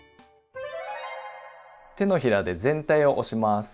手のひらで全体を押します。